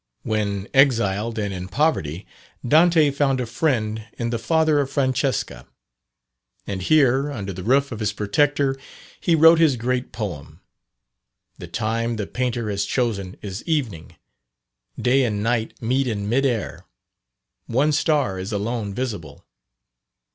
When exiled and in poverty, Dante found a friend in the father of Francesca. And here, under the roof of his protector, he wrote his great poem. The time the painter has chosen is evening. Day and night meet in mid air: one star is alone visible.